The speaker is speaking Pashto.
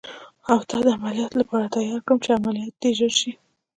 او تا د عملیاتو لپاره تیار کړم، چې عملیات دې ژر شي.